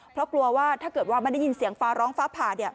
เพราะกลัวว่าถ้าเกิดว่าไม่ได้ยินเสียงฟ้าร้องฟ้าผ่าเนี่ย